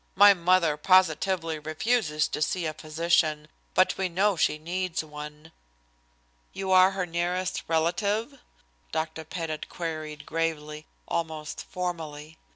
"My mother positively refuses to see a physician, but we know she needs one." "You are her nearest relative?" Dr. Pettit queried gravely, almost formally.